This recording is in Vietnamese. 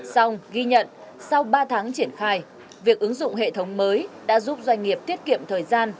xong ghi nhận sau ba tháng triển khai việc ứng dụng hệ thống mới đã giúp doanh nghiệp tiết kiệm thời gian